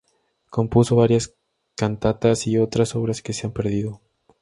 Compuso varias cantatas y otras obras que se han perdido.